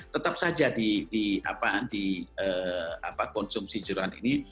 tetap saja di konsumsi juran ini